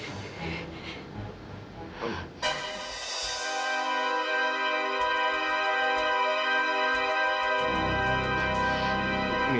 ya allah gimana ini